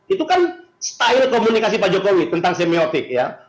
itu kan style komunikasi pak jokowi tentang semiotik ya